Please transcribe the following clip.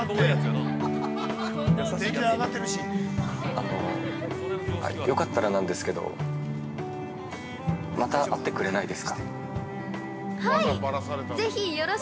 あのよかったらなんですけどまた会ってくれないですか。